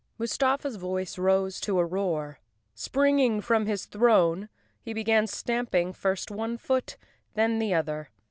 Mustafa's voice rose to a roar. Springing from his throne, he began stamping first one foot, then the other.